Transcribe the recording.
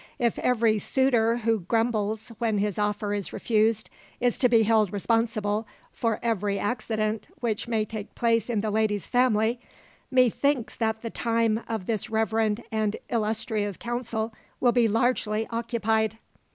"If every suitor who grumbles, when his offer is refused, is to be held responsible for every accident which may take place in the lady's family, methinks that the time of this reverend and illustrious council will be largely occupied."